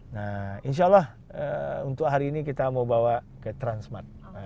nah insya allah untuk hari ini kita mau bawa ke transmart